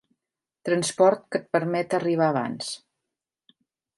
Transport que et permet arribar abans.